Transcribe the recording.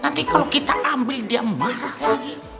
nanti kalau kita ambil dia marah lagi